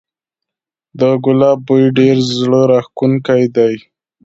د ګلاب بوی ډیر زړه راښکونکی دی